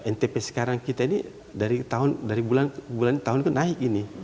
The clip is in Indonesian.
ntp sekarang kita ini dari bulan tahun itu naik ini